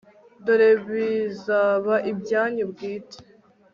dore bizaba ibyanyu bwite